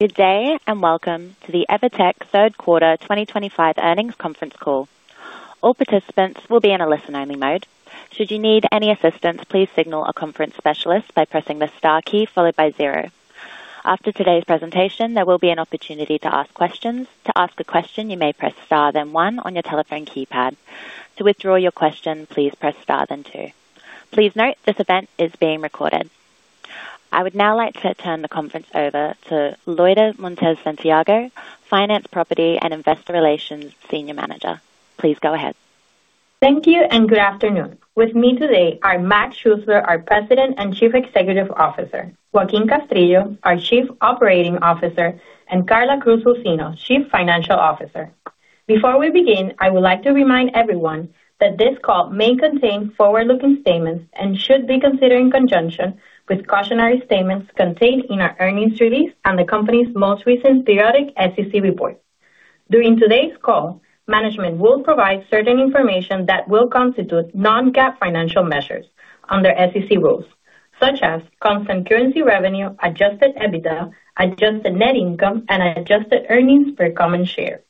Good day and welcome to the EVERTEC third quarter 2025 earnings conference call. All participants will be in a listen-only mode. Should you need any assistance, please signal a conference specialist by pressing the star key followed by zero. After today's presentation, there will be an opportunity to ask questions. To ask a question, you may press star then one on your telephone keypad. To withdraw your question, please press star then two. Please note this event is being recorded. I would now like to turn the conference over to Loyda Montes Santiago, Finance and Investor Relations Senior Manager. Please go ahead. Thank you and good afternoon. With me today are Mac Schuessler, our President and Chief Executive Officer; Joaquin Castrillo, our Chief Operating Officer; and Karla Cruz Lucino, Chief Financial Officer. Before we begin, I would like to remind everyone that this call may contain forward-looking statements and should be considered in conjunction with cautionary statements contained in our earnings release and the company's most recent periodic SEC report. During today's call, management will provide certain information that will constitute non-GAAP financial measures under SEC rules, such as constant currency revenue, adjusted EBITDA, adjusted net income, and adjusted earnings per common share.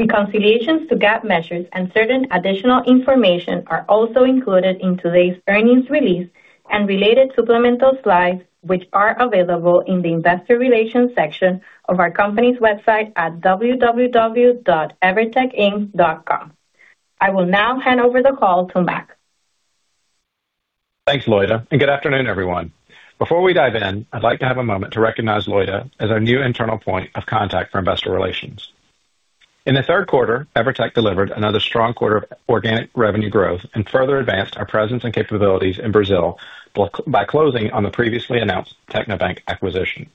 Reconciliations to GAAP measures and certain additional information are also included in today's earnings release and related supplemental slides, which are available in the Investor Relations section of our company's website at www.evertecinc.com. I will now hand over the call to Mac. Thanks, Loyda, and good afternoon, everyone. Before we dive in, I'd like to have a moment to recognize Loyda as our new internal point of contact for investor relations. In the third quarter, EVERTEC delivered another strong quarter of organic revenue growth and further advanced our presence and capabilities in Brazil by closing on the previously announced TecnoBank acquisition.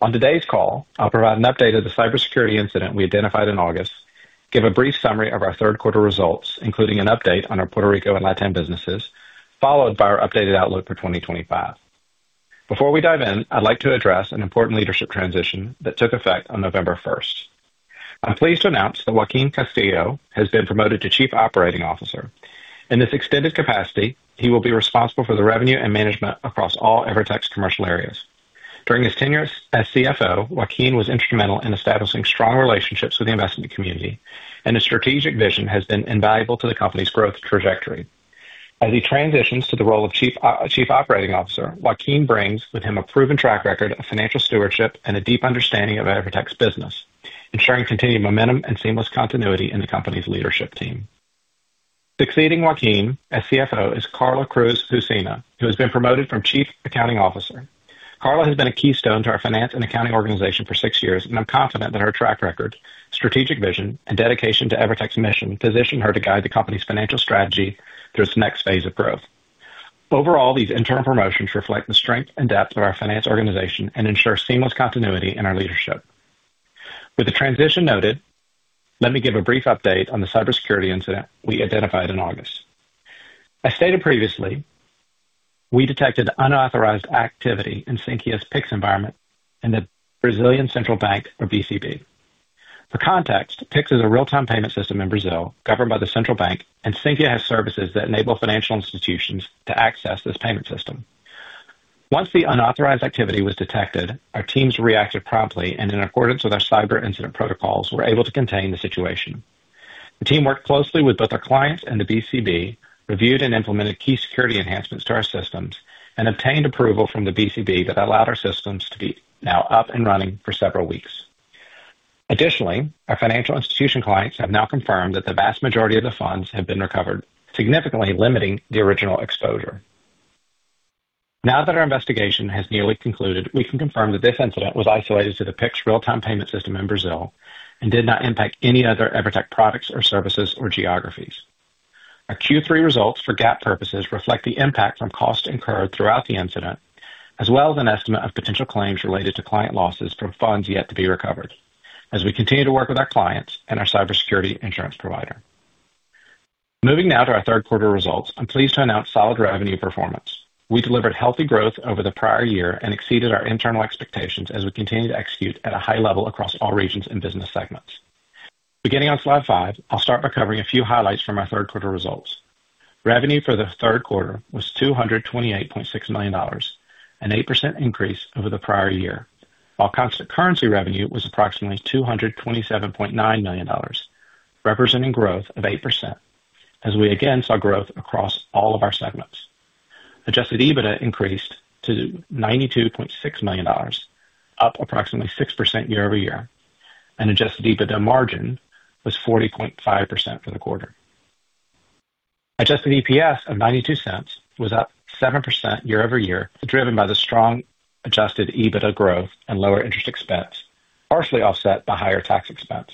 On today's call, I'll provide an update of the cybersecurity incident we identified in August, give a brief summary of our third quarter results, including an update on our Puerto Rico and LATAM businesses, followed by our updated outlook for 2025. Before we dive in, I'd like to address an important leadership transition that took effect on November 1st. I'm pleased to announce that Joaquin Castrillo has been promoted to Chief Operating Officer. In this extended capacity, he will be responsible for the revenue and management across all EVERTEC's commercial areas. During his tenure as CFO, Joaquin was instrumental in establishing strong relationships with the investment community, and his strategic vision has been invaluable to the company's growth trajectory. As he transitions to the role of Chief Operating Officer, Joaquin brings with him a proven track record of financial stewardship and a deep understanding of EVERTEC's business, ensuring continued momentum and seamless continuity in the company's leadership team. Succeeding Joaquin as CFO is Karla Cruz Lucino, who has been promoted from Chief Accounting Officer. Karla has been a keystone to our finance and accounting organization for six years, and I'm confident that her track record, strategic vision, and dedication to EVERTEC's mission position her to guide the company's financial strategy through its next phase of growth. Overall, these internal promotions reflect the strength and depth of our finance organization and ensure seamless continuity in our leadership. With the transition noted, let me give a brief update on the cybersecurity incident we identified in August. As stated previously, we detected unauthorized activity in Cynthia's Pix environment in the Brazilian central bank, or BCB. For context, Pix is a real-time payment system in Brazil governed by the central bank, and Cynthia has services that enable financial institutions to access this payment system. Once the unauthorized activity was detected, our teams reacted promptly and, in accordance with our cyber incident protocols, were able to contain the situation. The team worked closely with both our clients and the BCB, reviewed and implemented key security enhancements to our systems, and obtained approval from the BCB that allowed our systems to be now up and running for several weeks. Additionally, our financial institution clients have now confirmed that the vast majority of the funds have been recovered, significantly limiting the original exposure. Now that our investigation has nearly concluded, we can confirm that this incident was isolated to the Pix real-time payment system in Brazil and did not impact any other EVERTEC products or services or geographies. Our Q3 results for GAAP purposes reflect the impact from costs incurred throughout the incident, as well as an estimate of potential claims related to client losses from funds yet to be recovered, as we continue to work with our clients and our cybersecurity insurance provider. Moving now to our third quarter results, I'm pleased to announce solid revenue performance. We delivered healthy growth over the prior year and exceeded our internal expectations as we continue to execute at a high level across all regions and business segments. Beginning on slide five, I'll start by covering a few highlights from our third quarter results. Revenue for the third quarter was $228.6 million, an 8% increase over the prior year, while constant currency revenue was approximately $227.9 million, representing growth of 8%, as we again saw growth across all of our segments. Adjusted EBITDA increased to $92.6 million, up approximately 6% year over year, and adjusted EBITDA margin was 40.5% for the quarter. Adjusted EPS of $0.92 was up 7% year over year, driven by the strong adjusted EBITDA growth and lower interest expense, partially offset by higher tax expense.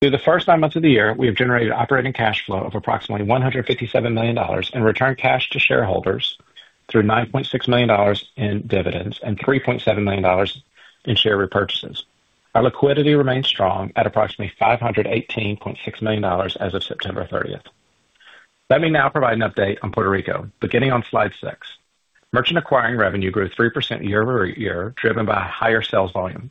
Through the first nine months of the year, we have generated operating cash flow of approximately $157 million and returned cash to shareholders through $9.6 million in dividends and $3.7 million in share repurchases. Our liquidity remains strong at approximately $518.6 million as of September 30th. Let me now provide an update on Puerto Rico. Beginning on slide six, merchant acquiring revenue grew 3% year-over-year, driven by higher sales volume.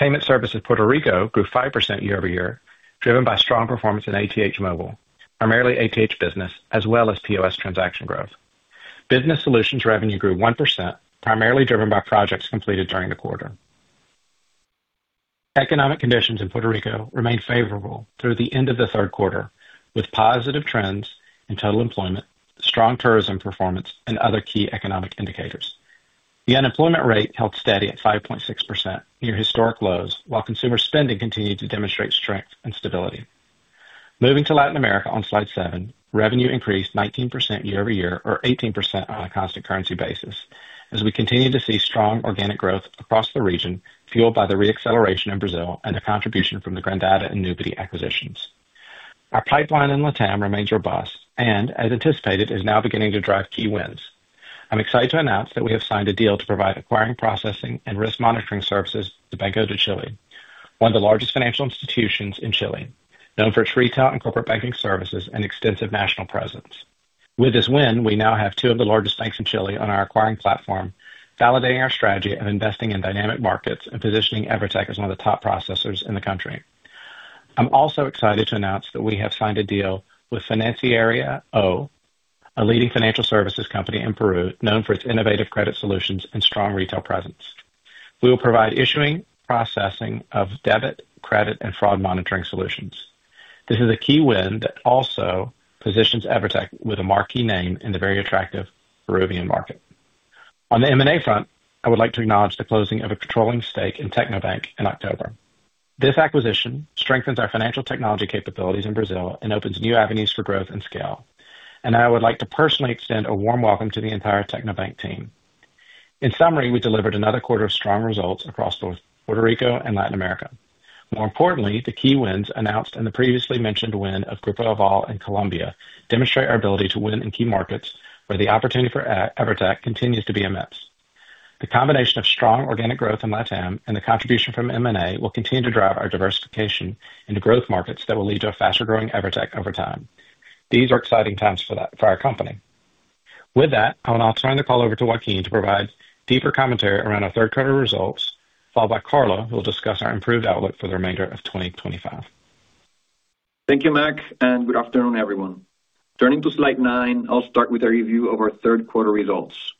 Payment services Puerto Rico grew 5% year over year, driven by strong performance in ATH Móvil, primarily ATH business, as well as POS transaction growth. Business solutions revenue grew 1%, primarily driven by projects completed during the quarter. Economic conditions in Puerto Rico remained favorable through the end of the third quarter, with positive trends in total employment, strong tourism performance, and other key economic indicators. The unemployment rate held steady at 5.6%, near historic lows, while consumer spending continued to demonstrate strength and stability. Moving to Latin America on slide seven, revenue increased 19% year over year, or 18% on a constant currency basis, as we continue to see strong organic growth across the region, fueled by the re-acceleration in Brazil and the contribution from the Grandata and Nubity acquisitions. Our pipeline in LATAM remains robust and, as anticipated, is now beginning to drive key wins. I'm excited to announce that we have signed a deal to provide acquiring processing and risk monitoring services to Banco de Chile, one of the largest financial institutions in Chile, known for its retail and corporate banking services and extensive national presence. With this win, we now have two of the largest banks in Chile on our acquiring platform, validating our strategy of investing in dynamic markets and positioning EVERTEC as one of the top processors in the country. I'm also excited to announce that we have signed a deal with Financiera Oh, a leading financial services company in Peru known for its innovative credit solutions and strong retail presence. We will provide issuing, processing of debit, credit, and fraud monitoring solutions. This is a key win that also positions EVERTEC with a marquee name in the very attractive Peruvian market. On the M&A front, I would like to acknowledge the closing of a controlling stake in TecnoBank in October. This acquisition strengthens our financial technology capabilities in Brazil and opens new avenues for growth and scale. I would like to personally extend a warm welcome to the entire TecnoBank team. In summary, we delivered another quarter of strong results across Puerto Rico and Latin America. More importantly, the key wins announced in the previously mentioned win of Grupo Aval in Colombia demonstrate our ability to win in key markets where the opportunity for EVERTEC continues to be immense. The combination of strong organic growth in LATAM and the contribution from M&A will continue to drive our diversification into growth markets that will lead to a faster growing EVERTEC over time. These are exciting times for our company. With that, I will now turn the call over to Joaquin to provide deeper commentary around our third quarter results, followed by Karla, who will discuss our improved outlook for the remainder of 2025. Thank you, Mac, and good afternoon, everyone. Turning to slide nine, I'll start with a review of our third quarter results.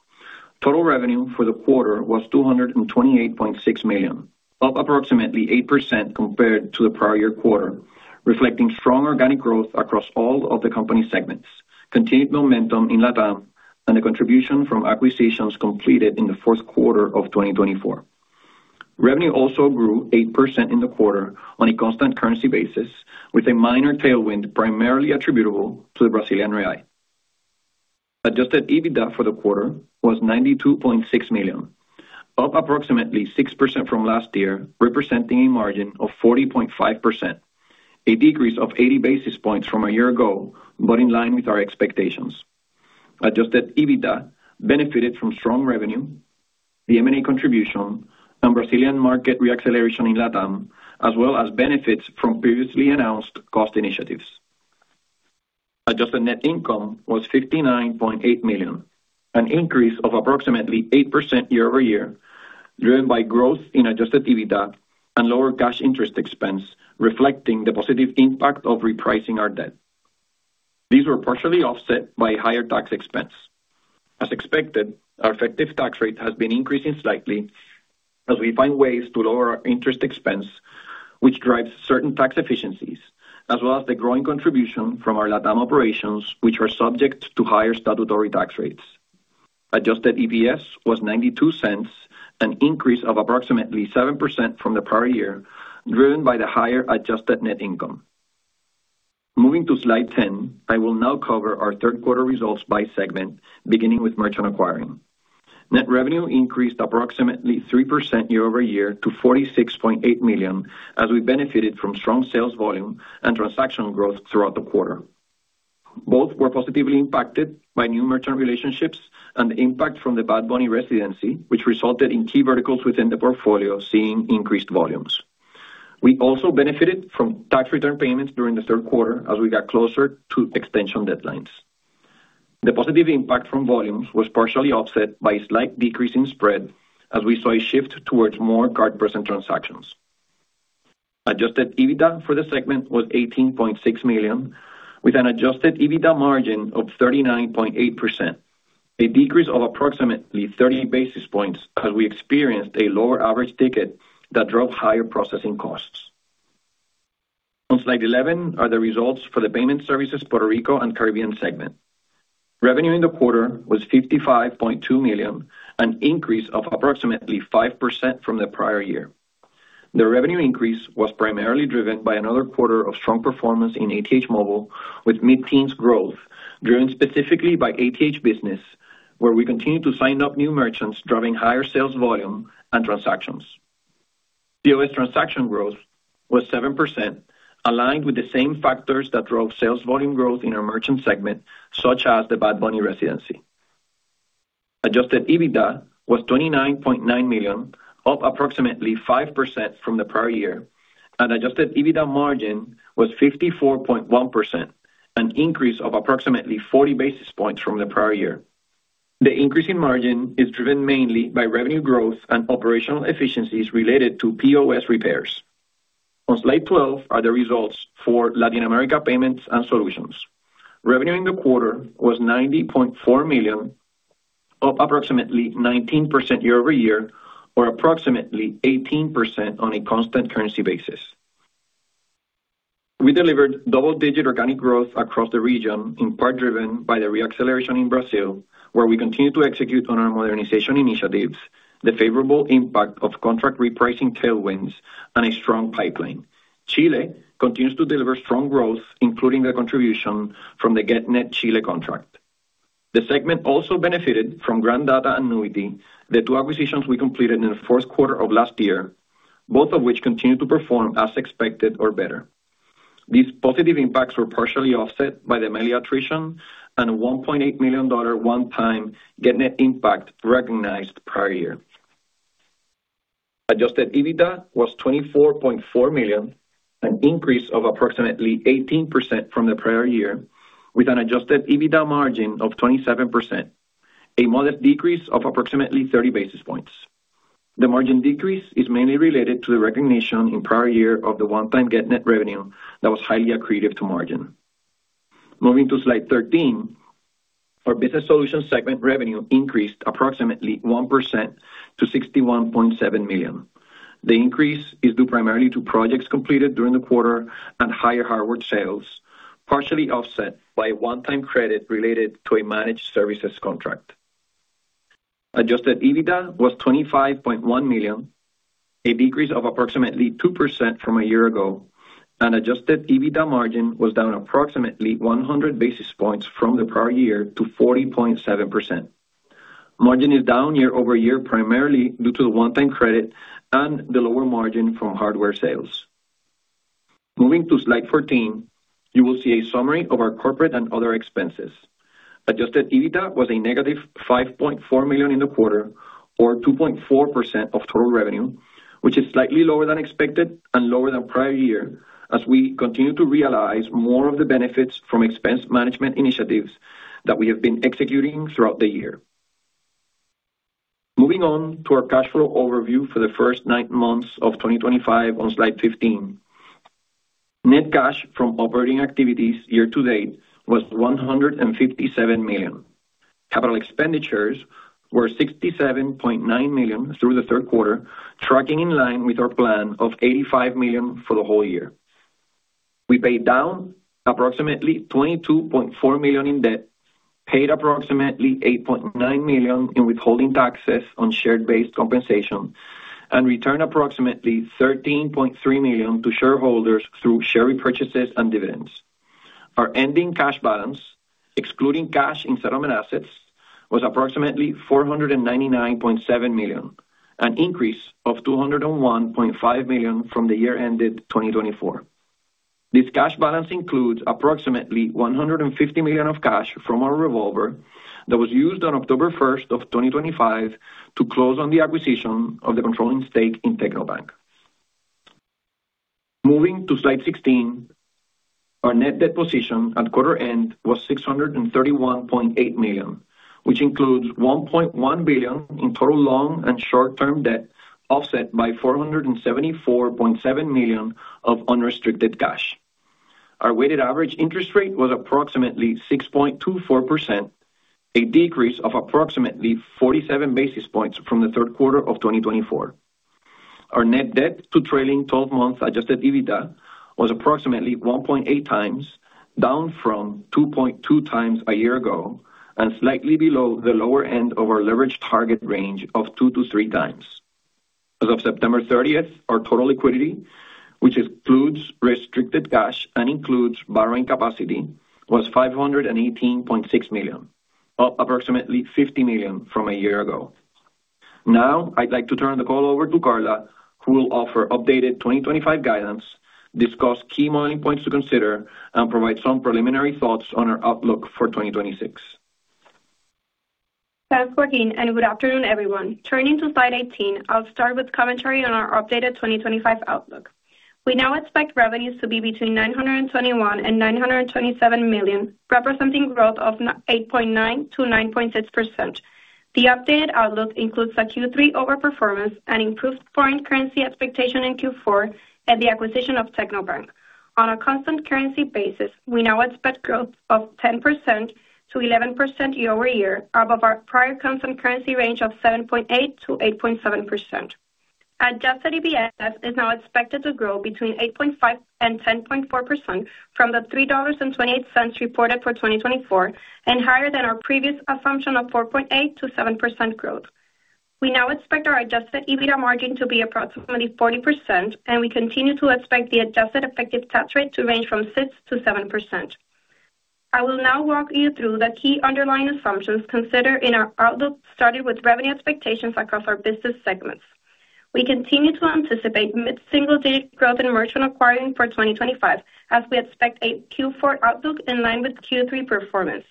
Total revenue for the quarter was $228.6 million, up approximately 8% compared to the prior year quarter, reflecting strong organic growth across all of the company segments, continued momentum in LATAM, and the contribution from acquisitions completed in the fourth quarter of 2024. Revenue also grew 8% in the quarter on a constant currency basis, with a minor tailwind primarily attributable to the Brazilian real. Adjusted EBITDA for the quarter was $92.6 million, up approximately 6% from last year, representing a margin of 40.5%, a decrease of 80 basis points from a year ago, but in line with our expectations. Adjusted EBITDA benefited from strong revenue, the M&A contribution, and Brazilian market re-acceleration in LATAM, as well as benefits from previously announced cost initiatives. Adjusted net income was $59.8 million, an increase of approximately 8% year-over-year, driven by growth in adjusted EBITDA and lower cash interest expense, reflecting the positive impact of repricing our debt. These were partially offset by higher tax expense. As expected, our effective tax rate has been increasing slightly as we find ways to lower our interest expense, which drives certain tax efficiencies, as well as the growing contribution from our LATAM operations, which are subject to higher statutory tax rates. Adjusted EPS was $0.92, an increase of approximately 7% from the prior year, driven by the higher adjusted net income. Moving to slide 10, I will now cover our third quarter results by segment, beginning with merchant acquiring. Net revenue increased approximately 3% year over year to $46.8 million, as we benefited from strong sales volume and transaction growth throughout the quarter. Both were positively impacted by new merchant relationships and the impact from the Bad Bunny residency, which resulted in key verticals within the portfolio seeing increased volumes. We also benefited from tax return payments during the third quarter as we got closer to extension deadlines. The positive impact from volumes was partially offset by a slight decrease in spread, as we saw a shift towards more card-present transactions. Adjusted EBITDA for the segment was $18.6 million, with an adjusted EBITDA margin of 39.8%, a decrease of approximately 30 basis points, as we experienced a lower average ticket that drove higher processing costs. On slide 11 are the results for the payment services Puerto Rico and Caribbean segment. Revenue in the quarter was $55.2 million, an increase of approximately 5% from the prior year. The revenue increase was primarily driven by another quarter of strong performance in ATH Móvil, with mid-teens growth driven specifically by ATH business, where we continue to sign up new merchants, driving higher sales volume and transactions. POS transaction growth was 7%, aligned with the same factors that drove sales volume growth in our merchant segment, such as the Bad Bunny residency. Adjusted EBITDA was $29.9 million, up approximately 5% from the prior year, and adjusted EBITDA margin was 54.1%, an increase of approximately 40 basis points from the prior year. The increase in margin is driven mainly by revenue growth and operational efficiencies related to POS repairs. On slide 12 are the results for Latin America payments and solutions. Revenue in the quarter was $90.4 million, up approximately 19% year over year, or approximately 18% on a constant currency basis. We delivered double-digit organic growth across the region, in part driven by the re-acceleration in Brazil, where we continue to execute on our modernization initiatives, the favorable impact of contract repricing tailwinds, and a strong pipeline. Chile continues to deliver strong growth, including the contribution from the GetNet Chile contract. The segment also benefited from Grandata and Nubity, the two acquisitions we completed in the fourth quarter of last year, both of which continue to perform as expected or better. These positive impacts were partially offset by the Meliatration and $1.8 million one-time GetNet impact recognized prior year. Adjusted EBITDA was $24.4 million, an increase of approximately 18% from the prior year, with an adjusted EBITDA margin of 27%, a modest decrease of approximately 30 basis points. The margin decrease is mainly related to the recognition in prior year of the one-time GetNet revenue that was highly accretive to margin. Moving to slide 13. Our business solution segment revenue increased approximately 1% to $61.7 million. The increase is due primarily to projects completed during the quarter and higher hardware sales, partially offset by a one-time credit related to a managed services contract. Adjusted EBITDA was $25.1 million, a decrease of approximately 2% from a year ago, and adjusted EBITDA margin was down approximately 100 basis points from the prior year to 40.7%. Margin is down year over year primarily due to the one-time credit and the lower margin from hardware sales. Moving to slide 14, you will see a summary of our corporate and other expenses. Adjusted EBITDA was a negative $5.4 million in the quarter, or 2.4% of total revenue, which is slightly lower than expected and lower than prior year, as we continue to realize more of the benefits from expense management initiatives that we have been executing throughout the year. Moving on to our cash flow overview for the first nine months of 2025 on slide 15. Net cash from operating activities year to date was $157 million. Capital expenditures were $67.9 million through the third quarter, tracking in line with our plan of $85 million for the whole year. We paid down approximately $22.4 million in debt, paid approximately $8.9 million in withholding taxes on share-based compensation, and returned approximately $13.3 million to shareholders through share repurchases and dividends. Our ending cash balance, excluding cash in settlement assets, was approximately $499.7 million, an increase of $201.5 million from the year ended 2024. This cash balance includes approximately $150 million of cash from our revolver that was used on October 1st of 2025 to close on the acquisition of the controlling stake in TecnoBank. Moving to slide 16. Our net debt position at quarter end was $631.8 million, which includes $1.1 billion in total long and short-term debt offset by $474.7 million of unrestricted cash. Our weighted average interest rate was approximately 6.24%. A decrease of approximately 47 basis points from the third quarter of 2024. Our net debt to trailing 12-month adjusted EBITDA was approximately 1.8 times, down from 2.2 times a year ago and slightly below the lower end of our leverage target range of 2-3 times. As of September 30th, our total liquidity, which excludes restricted cash and includes borrowing capacity, was $518.6 million, up approximately $50 million from a year ago. Now, I'd like to turn the call over to Karla, who will offer updated 2025 guidance, discuss key modeling points to consider, and provide some preliminary thoughts on our outlook for 2026. Thanks, Joaquin, and good afternoon, everyone. Turning to slide 18, I'll start with commentary on our updated 2025 outlook. We now expect revenues to be between $921 million and $927 million, representing growth of 8.9% to 9.6%. The updated outlook includes a Q3 overperformance and improved foreign currency expectation in Q4 at the acquisition of TecnoBank. On a constant currency basis, we now expect growth of 10% to 11% year over year, above our prior constant currency range of 7.8%-8.7%. Adjusted EBITDA is now expected to grow between 8.5% and 10.4% from the $3.28 reported for 2024 and higher than our previous assumption of 4.8%-7% growth. We now expect our adjusted EBITDA margin to be approximately 40%, and we continue to expect the adjusted effective tax rate to range from 6%-7%. I will now walk you through the key underlying assumptions considered in our outlook, started with revenue expectations across our business segments. We continue to anticipate mid-single-digit growth in merchant acquiring for 2025, as we expect a Q4 outlook in line with Q3 performance.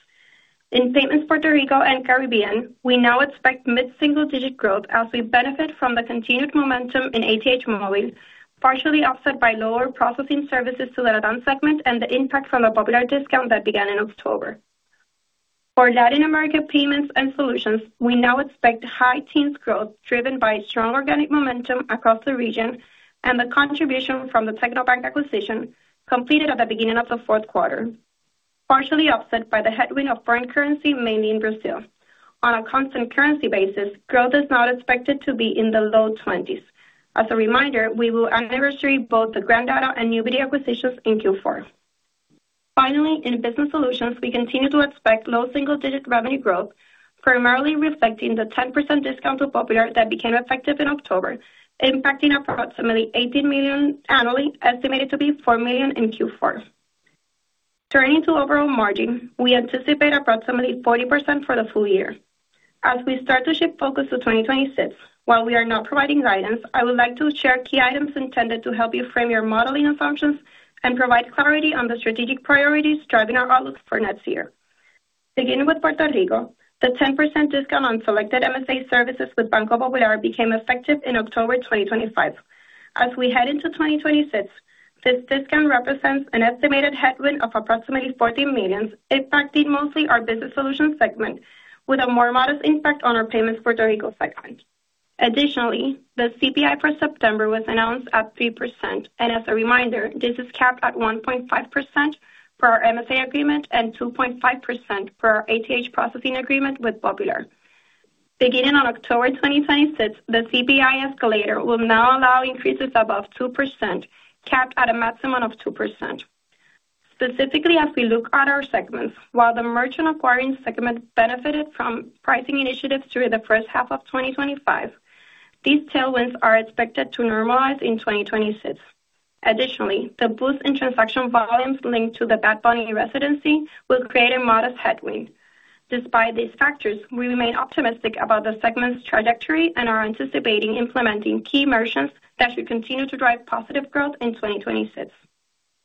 In payments Puerto Rico and Caribbean, we now expect mid-single-digit growth as we benefit from the continued momentum in ATH Móvil, partially offset by lower processing services to the LATAM segment and the impact from the Popular discount that began in October. For Latin America payments and solutions, we now expect high teens growth driven by strong organic momentum across the region and the contribution from the TecnoBank acquisition completed at the beginning of the fourth quarter, partially offset by the headwind of foreign currency, mainly in Brazil. On a constant currency basis, growth is now expected to be in the low 20s. As a reminder, we will anniversary both the Grandata and Nubity acquisitions in Q4. Finally, in business solutions, we continue to expect low single-digit revenue growth, primarily reflecting the 10% discount to Popular that became effective in October, impacting approximately $18 million annually, estimated to be $4 million in Q4. Turning to overall margin, we anticipate approximately 40% for the full year. As we start to shift focus to 2026, while we are not providing guidance, I would like to share key items intended to help you frame your modeling assumptions and provide clarity on the strategic priorities driving our outlook for next year. Beginning with Puerto Rico, the 10% discount on selected MSA services with Banco Popular became effective in October 2025. As we head into 2026, this discount represents an estimated headwind of approximately $14 million, impacting mostly our business solution segment, with a more modest impact on our payments Puerto Rico segment. Additionally, the CPI for September was announced at 3%, and as a reminder, this is capped at 1.5% for our MSA agreement and 2.5% for our ATH processing agreement with Popular. Beginning on October 2026, the CPI escalator will now allow increases above 2%, capped at a maximum of 2%. Specifically, as we look at our segments, while the merchant acquiring segment benefited from pricing initiatives during the first half of 2025. These tailwinds are expected to normalize in 2026. Additionally, the boost in transaction volumes linked to the Bad Bunny residency will create a modest headwind. Despite these factors, we remain optimistic about the segment's trajectory and are anticipating implementing key merchants that should continue to drive positive growth in 2026.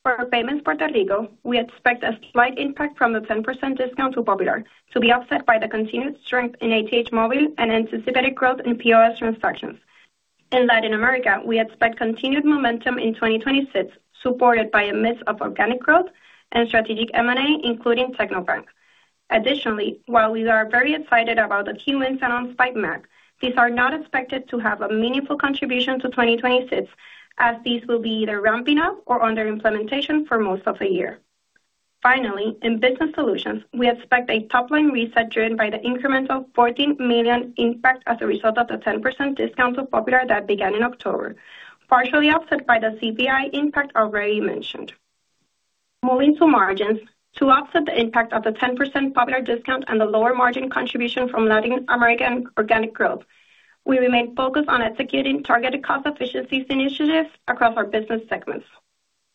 For payments Puerto Rico, we expect a slight impact from the 10% discount to Popular to be offset by the continued strength in ATH Móvil and anticipated growth in POS transactions. In Latin America, we expect continued momentum in 2026, supported by a mix of organic growth and strategic M&A, including TecnoBank. Additionally, while we are very excited about the Q1 ten-month spike Mac, these are not expected to have a meaningful contribution to 2026, as these will be either ramping up or under implementation for most of the year. Finally, in business solutions, we expect a top-line reset driven by the incremental $14 million impact as a result of the 10% discount to Popular that began in October, partially offset by the CPI impact already mentioned. Moving to margins, to offset the impact of the 10% Popular discount and the lower margin contribution from Latin American organic growth, we remain focused on executing targeted cost efficiencies initiatives across our business segments.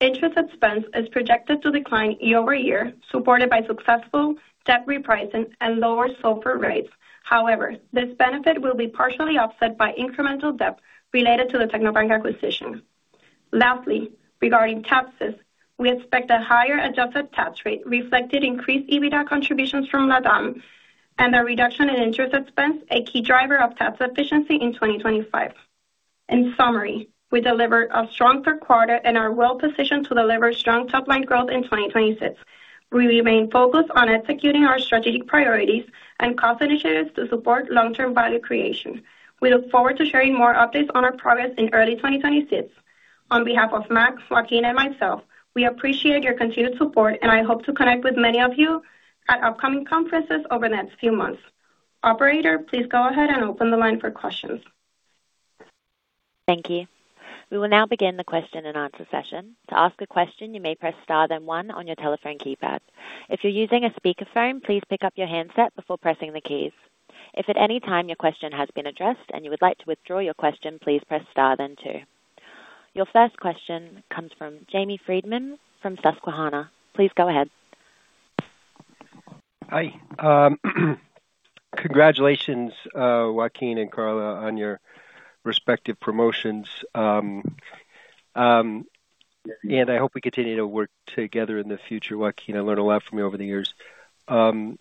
Interest expense is projected to decline year over year, supported by successful debt repricing and lower software rates. However, this benefit will be partially offset by incremental debt related to the TecnoBank acquisition. Lastly, regarding taxes, we expect a higher adjusted tax rate reflecting increased EBITDA contributions from LATAM and a reduction in interest expense, a key driver of tax efficiency in 2025. In summary, we delivered a strong third quarter and are well-positioned to deliver strong top-line growth in 2026. We remain focused on executing our strategic priorities and cost initiatives to support long-term value creation. We look forward to sharing more updates on our progress in early 2026. On behalf of Mac, Joaquin, and myself, we appreciate your continued support, and I hope to connect with many of you at upcoming conferences over the next few months. Operator, please go ahead and open the line for questions. Thank you. We will now begin the question and answer session. To ask a question, you may press star then one on your telephone keypad. If you're using a speakerphone, please pick up your handset before pressing the keys. If at any time your question has been addressed and you would like to withdraw your question, please press star then two. Your first question comes from Jamie Friedman from Susquehanna. Please go ahead. Hi. Congratulations, Joaquin and Karla, on your respective promotions. I hope we continue to work together in the future. Joaquin, I learned a lot from you over the years. Mac,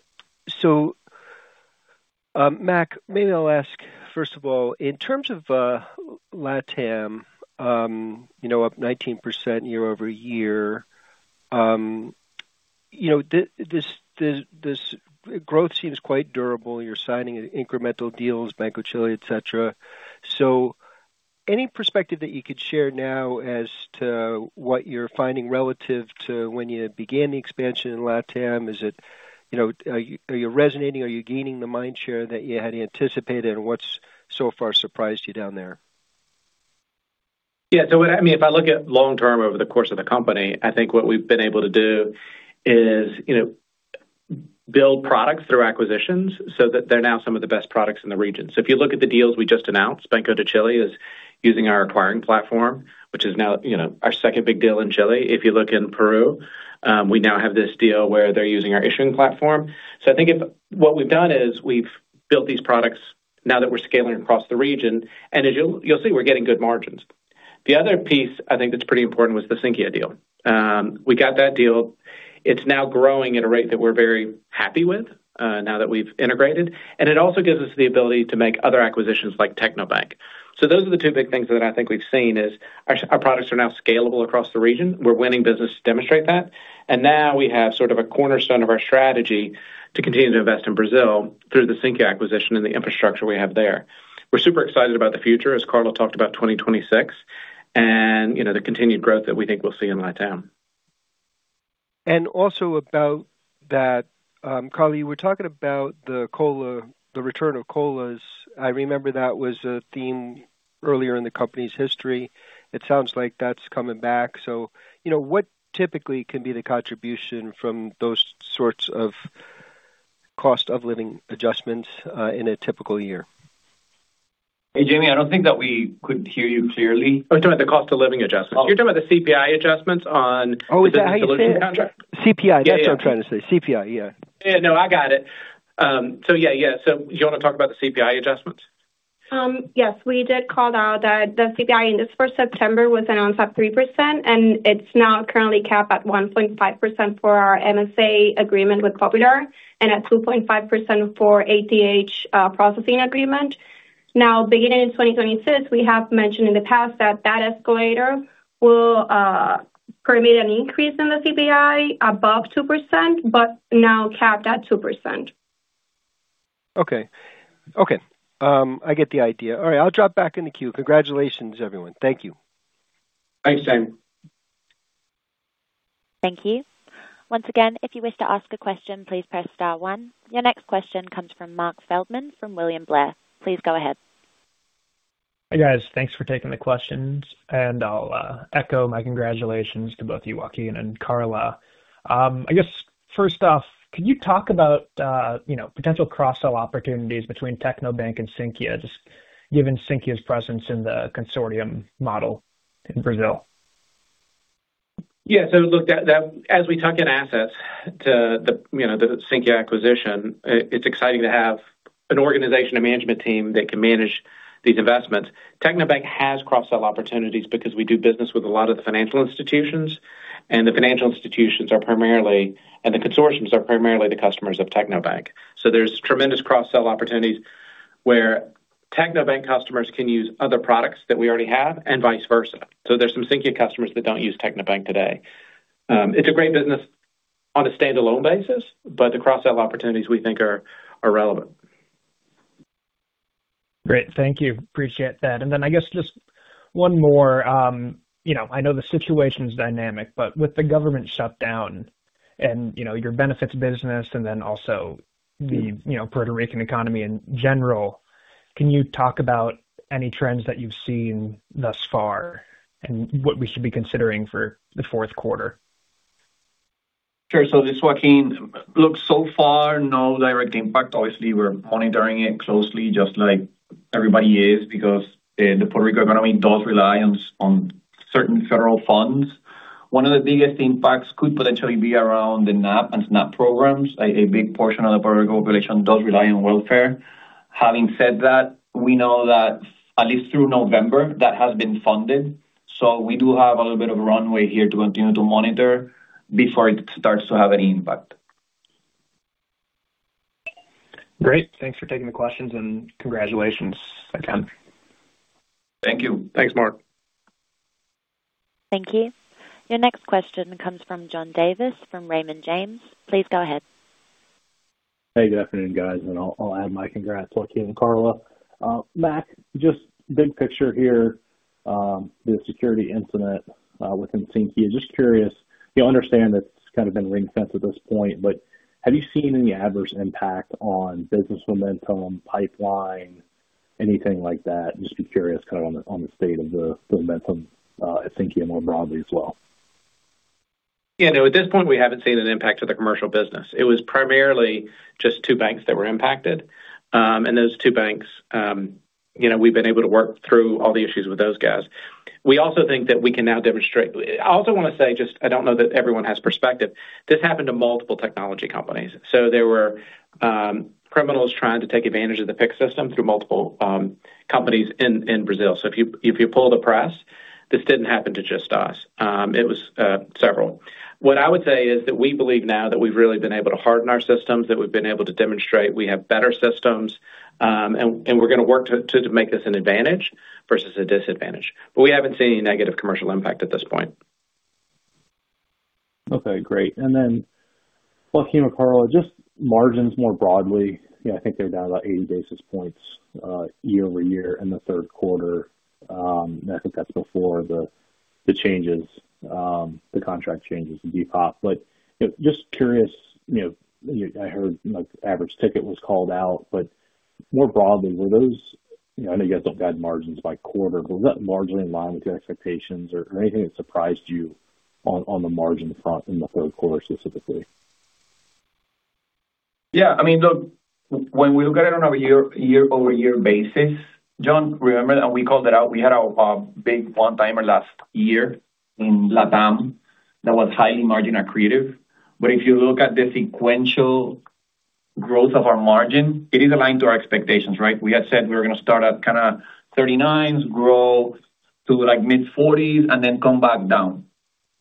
maybe I'll ask, first of all, in terms of LATAM. Up 19% year over year. This growth seems quite durable. You're signing incremental deals, Banco de Chile, et cetera. Any perspective that you could share now as to what you're finding relative to when you began the expansion in LATAM? Are you resonating? Are you gaining the mind share that you had anticipated? What's so far surprised you down there? Yeah. So I mean, if I look at long-term over the course of the company, I think what we've been able to do is build products through acquisitions so that they're now some of the best products in the region. If you look at the deals we just announced, Banco de Chile is using our acquiring platform, which is now our second big deal in Chile. If you look in Peru, we now have this deal where they're using our issuing platform. I think what we've done is we've built these products now that we're scaling across the region. As you'll see, we're getting good margins. The other piece I think that's pretty important was the Cynthia deal. We got that deal. It's now growing at a rate that we're very happy with now that we've integrated. It also gives us the ability to make other acquisitions like TecnoBank. Those are the two big things that I think we've seen. Our products are now scalable across the region. We're winning business to demonstrate that. We have sort of a cornerstone of our strategy to continue to invest in Brazil through the Cynthia acquisition and the infrastructure we have there. We're super excited about the future, as Karla talked about 2026. The continued growth that we think we'll see in LATAM. Also about that, Karla, you were talking about the return of COLAs. I remember that was a theme earlier in the company's history. It sounds like that's coming back. What typically can be the contribution from those sorts of cost of living adjustments in a typical year? Hey, Jamie, I don't think that we could hear you clearly. Oh, you're talking about the cost of living adjustments. You're talking about the CPI adjustments on. Oh, is it how you solution contract? CPI, that's what I'm trying to say. CPI, yeah. Yeah, no, I got it. Yeah, yeah. Do you want to talk about the CPI adjustments? Yes. We did call out that the CPI in this first September was announced at 3%, and it's now currently capped at 1.5% for our MSA agreement with Popular and at 2.5% for ATH processing agreement. Now, beginning in 2026, we have mentioned in the past that that escalator will permit an increase in the CPI above 2%, but now capped at 2%. Okay. Okay. I get the idea. All right. I'll drop back in the queue. Congratulations, everyone. Thank you. Thanks, Sam. Thank you. Once again, if you wish to ask a question, please press star one. Your next question comes from Marc Feldman from William Blair. Please go ahead. Hi guys. Thanks for taking the questions. I'll echo my congratulations to both you, Joaquin and Karla. I guess, first off, could you talk about potential cross-sell opportunities between TecnoBank and Cynthia, just given Cynthia's presence in the consortium model in Brazil? Yeah. So look, as we talk in assets to the Cynthia acquisition, it's exciting to have an organization, a management team that can manage these investments. TecnoBank has cross-sell opportunities because we do business with a lot of the financial institutions. And the financial institutions are primarily, and the consortiums are primarily the customers of TecnoBank. So there's tremendous cross-sell opportunities where TecnoBank customers can use other products that we already have and vice versa. So there's some Cynthia customers that do not use TecnoBank today. It's a great business on a standalone basis, but the cross-sell opportunities we think are relevant. Great. Thank you. Appreciate that. I guess just one more. I know the situation's dynamic, but with the government shutdown and your benefits business, and then also the Puerto Rican economy in general, can you talk about any trends that you've seen thus far and what we should be considering for the fourth quarter? Sure. So this, Joaquin, looks so far, no direct impact. Obviously, we're monitoring it closely, just like everybody is, because the Puerto Rico economy does rely on certain federal funds. One of the biggest impacts could potentially be around the NAP and SNAP programs. A big portion of the Puerto Rico population does rely on welfare. Having said that, we know that at least through November, that has been funded. We do have a little bit of runway here to continue to monitor before it starts to have any impact. Great. Thanks for taking the questions and congratulations again. Thank you. Thanks, Mark. Thank you. Your next question comes from John Davis from Raymond James. Please go ahead. Hey, good afternoon, guys. I'll add my congrats, Joaquin and Karla. Mac, just big picture here. The security incident within Cynthia. Just curious, you understand it's kind of been ring-fenced at this point, but have you seen any adverse impact on business momentum, pipeline, anything like that? Just be curious kind of on the state of the momentum at Cynthia more broadly as well. Yeah. No, at this point, we haven't seen an impact to the commercial business. It was primarily just two banks that were impacted. Those two banks, we've been able to work through all the issues with those guys. We also think that we can now demonstrate. I also want to say, just I don't know that everyone has perspective. This happened to multiple technology companies. There were criminals trying to take advantage of the Pix system through multiple companies in Brazil. If you pull the press, this didn't happen to just us. It was several. What I would say is that we believe now that we've really been able to harden our systems, that we've been able to demonstrate we have better systems, and we're going to work to make this an advantage versus a disadvantage. We haven't seen any negative commercial impact at this point. Okay. Great. Joaquin or Karla, just margins more broadly, I think they're down about 80 basis points year over year in the third quarter. I think that's before the contract changes, the de-pop. Just curious, I heard average ticket was called out, but more broadly, were those—I know you guys don't guide margins by quarter—was that largely in line with your expectations or anything that surprised you on the margin front in the third quarter specifically? Yeah. I mean. When we look at it on a year-over-year basis, John, remember that we called it out. We had a big one-timer last year in LATAM that was highly margin accretive. If you look at the sequential growth of our margin, it is aligned to our expectations, right? We had said we were going to start at kind of 39s, grow to mid-40s, and then come back down,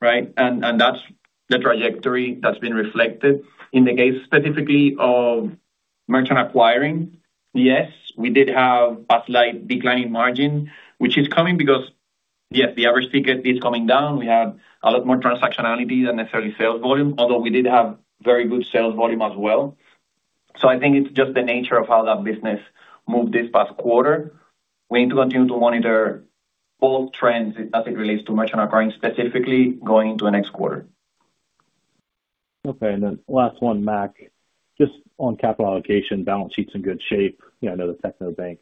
right? That is the trajectory that has been reflected in the case specifically of merchant acquiring. Yes, we did have a slight declining margin, which is coming because, yes, the average ticket is coming down. We had a lot more transactionality than necessarily sales volume, although we did have very good sales volume as well. I think it is just the nature of how that business moved this past quarter. We need to continue to monitor. Both trends as it relates to merchant acquiring specifically going into the next quarter. Okay. And then last one, Mac, just on capital allocation, balance sheet's in good shape. I know the TecnoBank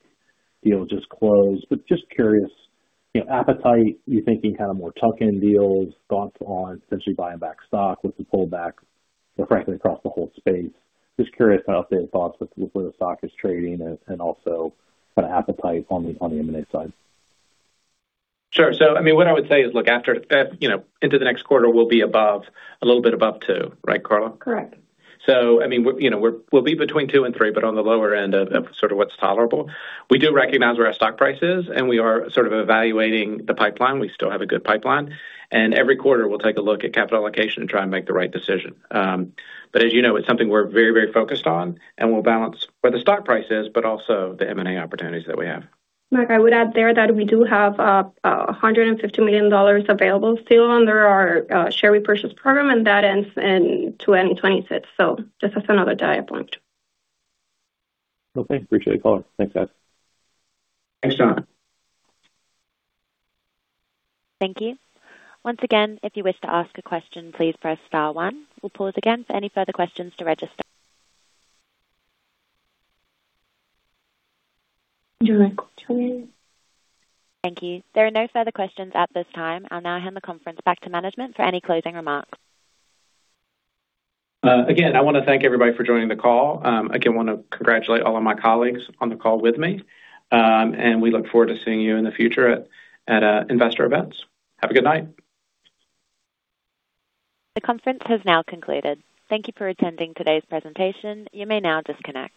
deal just closed. Just curious, appetite, you're thinking kind of more tuck-in deals, thoughts on potentially buying back stock with the pullback, or frankly, across the whole space. Just curious kind of updated thoughts with where the stock is trading and also kind of appetite on the M&A side. Sure. So I mean, what I would say is look after. Into the next quarter, we'll be above, a little bit above two, right, Karla? Correct. I mean, we'll be between two and three, but on the lower end of sort of what's tolerable. We do recognize where our stock price is, and we are sort of evaluating the pipeline. We still have a good pipeline. Every quarter, we'll take a look at capital allocation and try and make the right decision. As you know, it's something we're very, very focused on, and we'll balance where the stock price is, but also the M&A opportunities that we have. Mac, I would add there that we do have $150 million available still under our share repurchase program and that ends in 2026. Just as another data point. Okay. Appreciate it, Karla. Thanks, guys. Thanks, John. Thank you. Once again, if you wish to ask a question, please press star one. We will pause again for any further questions to register. Joining. Thank you. There are no further questions at this time. I'll now hand the conference back to management for any closing remarks. Again, I want to thank everybody for joining the call. I want to congratulate all of my colleagues on the call with me. We look forward to seeing you in the future at investor events. Have a good night. The conference has now concluded. Thank you for attending today's presentation. You may now disconnect.